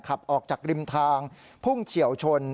ขับออกจากริมทางพุ่งเฉียวชน